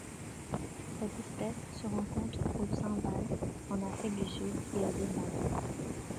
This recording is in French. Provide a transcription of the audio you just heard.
Cette espèce se rencontre au Transvaal en Afrique du Sud et au Zimbabwe.